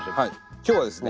今日はですね